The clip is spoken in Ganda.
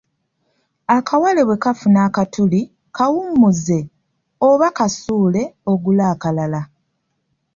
Akawale bwekafuna akatuli, kawummuze oba kasuule ogule akalala.